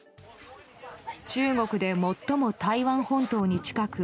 中国で最も台湾本島に近く